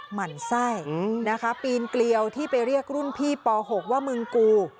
หมั่นไส้นะคะปีนเกลียวที่ไปเรียกรุ่นพี่ป๖ว่ามึงกู